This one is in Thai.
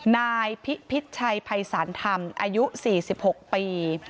นายพิพิษชัยภัยศาลธรรมอายุ๔๖ปี